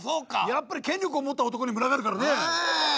やっぱり権力を持った男に群がるからね。